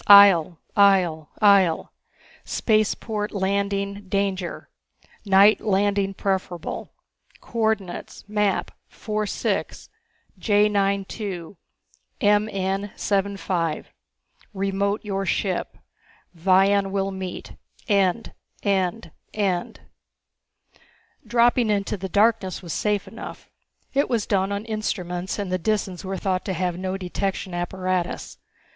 IHJEL IHJEL IHJEL SPACEPORT LANDING DANGER NIGHT LANDING PREFERABLE COORDINATES MAP 46 J92 MN75 REMOTE YOUR SHIP VION WILL MEET END END END Dropping into the darkness was safe enough. It was done on instruments, and the Disans were thought to have no detection apparatus.